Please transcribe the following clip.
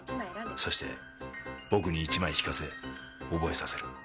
そして僕に１枚引かせ覚えさせる。